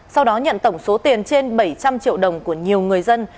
sau đó nhận tổng số tiền trên bảy trăm linh triệu đồng của nhiều người dân